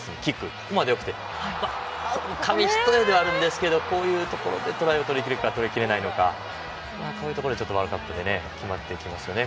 ここまではよくて紙一重ではあるんですけどこういうところでトライをとりきるか、とりきれないのかこういうところがワールドカップで決まってきますよね。